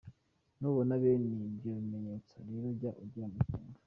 Nubona bene ibyo bimenyetso rero jya ugira amakenga.